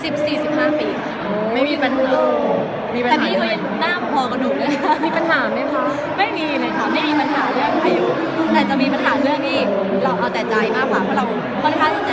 พี่แจ็คพี่ผู้หญิงเลยเหรอคะ